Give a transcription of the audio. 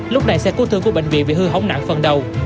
lúc này xe cứu thương của bệnh viện bị hư hống nặng phần đầu